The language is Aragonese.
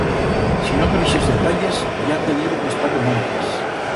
Si no per ixes detalles, ya te digo que está como antes.